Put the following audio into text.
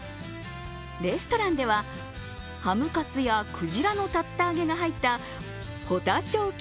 レストランではハムカツや鯨の竜田揚げが入った保田小給